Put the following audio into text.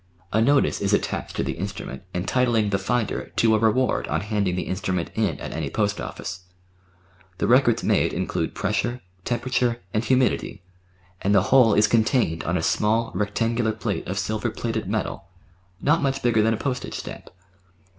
A notice is attached to the instrument entitling the finder to a reward on handing the instrument in at any Post Office. The records made include pressure, temperature, and humidity, and the whole is contained on a small rectangular plate of silver plated metal not much bigger than a postage stamp.